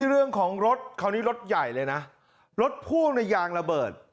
เรื่องของรถคราวนี้รถใหญ่เลยนะรถพ่วงในยางระเบิด